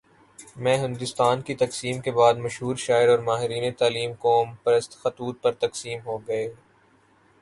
میں ہندوستان کی تقسیم کے بعد، مشہور شاعر اور ماہرین تعلیم قوم پرست خطوط پر تقسیم ہو گئے۔